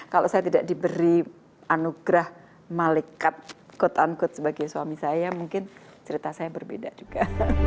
kalau saya tidak diberi anugerah malaikat kot an kot sebagai suami saya mungkin cerita saya berbeda juga